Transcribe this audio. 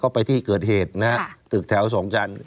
ก็ไปที่เกิดเหตุนะฮะตึกแถว๒ชั้น